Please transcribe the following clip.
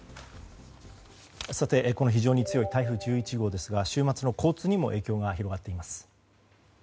この非常に強い台風１１号ですが週末の交通にも影響が広がっています。